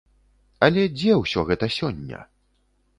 Але дзе ўсё гэта сёння?